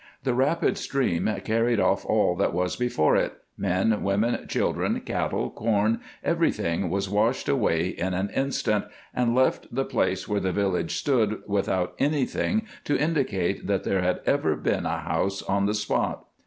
The rapid stream carried off all that was before it; men, women, children, cattle, corn, every thing was washed away in an instant, and left the place where the village stood without any thing to indicate that there had ever been a house on the spot.